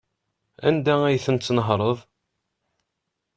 Anda ay ten-tnehṛeḍ?